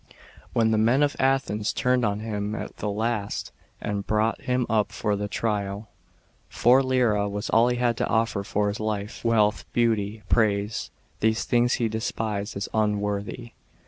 When the men of Athens turned on him at the last, and brought him up for trial, 4 was all he had to offer for his life. Wealth, beauty, prai>e, these things he despised as unworthy.